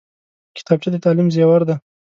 کتابچه د تعلیم زیور دی